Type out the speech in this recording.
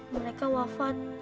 mereka wafat setahun yang lalu